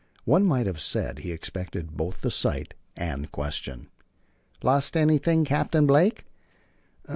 One might have said he expected both the sight and question. "Lost anything, Captain Blake?"